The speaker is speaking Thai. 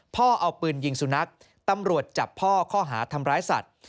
พ่อเอาปืนยิงสุนัขตำรวจจับพ่อข้อหาทำร้ายสัตว์